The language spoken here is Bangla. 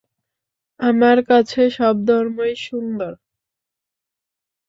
আমার কাছে সব ধর্মই সুন্দর।